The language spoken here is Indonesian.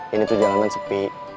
ini tuh jalanan sepi